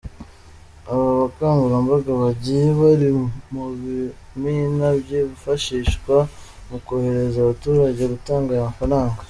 Aba bakangurambaga bagiye bari mu bimina byifashishwa mu korohereza abaturage gutanga aya mafaranga.